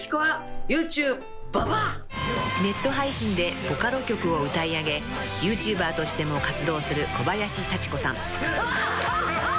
［ネット配信でボカロ曲を歌い上げＹｏｕＴｕｂｅｒとしても活動する小林幸子さん］